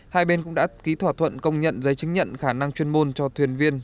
hai bên cũng đã ký thỏa thuận công nhận giấy chứng nhận khả năng chuyên môn cho thuyền viên